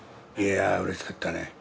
いやうれしかったね。